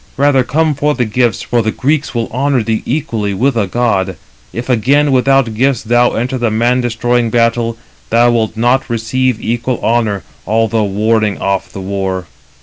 Rather come for the gifts, for the Greeks will honour thee equally with a god. If again without gifts thou enter the man destroying battle, thou wilt not receive equal honour, although warding off the war."